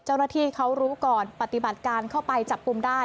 เจ้าหน้าที่เขารู้ก่อนปฏิบัติการเข้าไปจับกลุ่มได้